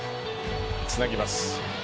つなぎます。